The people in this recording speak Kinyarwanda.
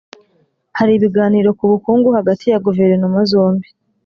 hari ibiganiro ku ubukungu hagati ya guverinoma zombi